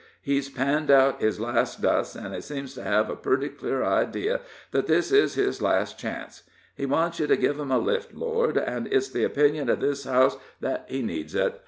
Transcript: He's panned out his last dust, an' he seems to hev a purty clear idee that this is his last chance. He wants you to give him a lift, Lord, an' it's the opinion of this house thet he needs it.